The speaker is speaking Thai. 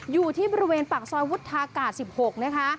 อยู่ที่บริเวณปากซอยวุฒากาศ๑๖นะคะ